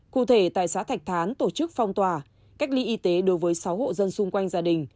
cụ thể tại xã thạch thán tổ chức phong tỏa cách ly y tế đối với sáu hộ dân xung quanh gia đình